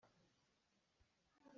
Kan inn cu inn hriang a si.